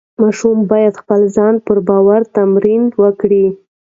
ماشوم باید د خپل ځان پر باور تمرین وکړي.